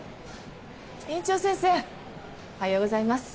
院長先生おはようございます。